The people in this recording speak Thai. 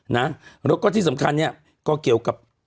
นะแล้วก็ที่สำคัญเนี่ยก็เกี่ยวกับ